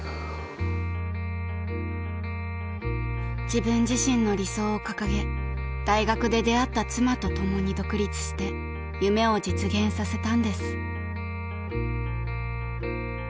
［自分自身の理想を掲げ大学で出会った妻と共に独立して夢を実現させたんです］